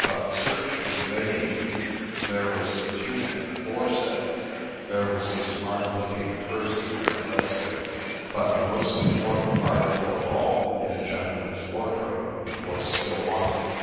But the search was vain : there was the tunic aforesaid ; there was a smart looking kerseymere waist coat ; but the most important article of all in a gentleman's wardrobe was still wanting.